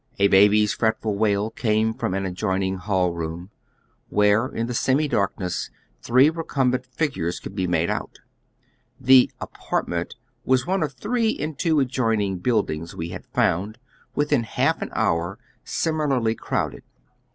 A baby's fret ful wail came from an adjoining hall room, where, in the semi darkness, three recumbent figures could be made out. The " apartment " was one of three in two adjoining oy Google =,Google 70 HOW THE OTHER HALF LIVES. buildings we had found, within half an hour, similarly crowded.